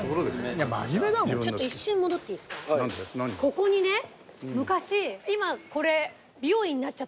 ここにね昔。